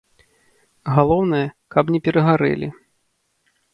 Галоўнае, каб не перагарэлі.